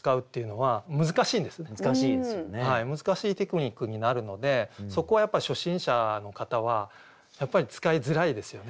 はい難しいテクニックになるのでそこはやっぱ初心者の方はやっぱり使いづらいですよね。